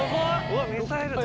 わっミサイルだ。